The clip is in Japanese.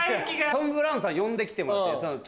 トム・ブラウンさん呼んで来てもらって。